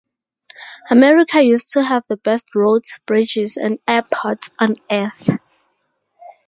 America used to have the best roads, bridges, and airports on Earth.